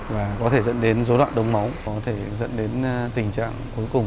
và có thể dẫn đến dấu đoạn đống máu có thể dẫn đến tình trạng cuối cùng